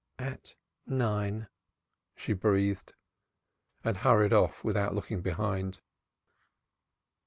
"At nine," she breathed. And hurried off without looking behind.